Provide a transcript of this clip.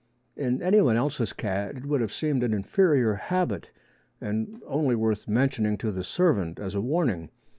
In anyone else's cat it would have seemed an inferior habit and only worth mentioning to the servant as a warning.